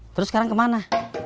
terus sekarang kemana